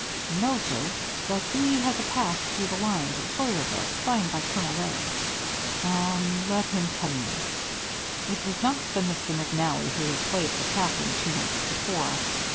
"No, sir. But he has a pass through the lines at Sawyerville, signed by Colonel Wray." "Um let him come in." It was not the Mr. McNally who had played for Katherine two nights before.